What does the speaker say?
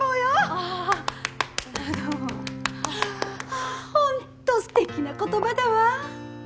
ああホントすてきな言葉だわ。